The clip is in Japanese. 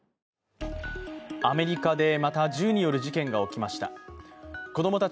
アメリカで、また銃による事件が起きました。